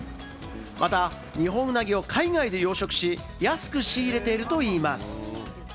また、ニホンウナギを海外で養殖し、安く仕入れているといいます。